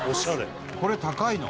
これ高いの？